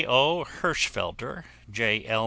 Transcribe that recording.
0. Hirschfelder, J. L.